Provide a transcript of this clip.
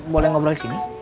boleh ngobrol di sini